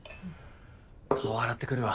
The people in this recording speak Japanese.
顔洗ってくるわ。